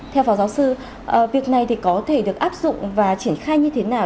theo phó giáo sư việc này thì có thể được áp dụng và triển khai như thế nào